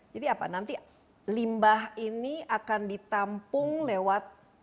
jadi apa nanti limbah ini akan ditampung lewat